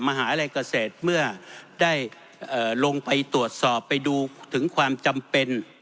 มหาลัยเกษตรเมื่อได้ลงไปตรวจสอบไปดูถึงความจำเป็น